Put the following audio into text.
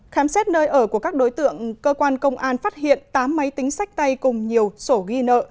khám xét nơi ở của các đối tượng cơ quan công an phát hiện tám máy tính sách tay cùng nhiều sổ ghi nợ